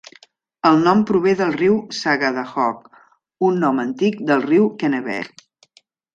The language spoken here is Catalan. El nom prové del "riu Sagadahoc", un nom antic del riu Kennebec.